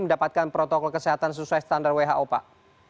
mendapatkan protokol kesehatan sesuai standar who pak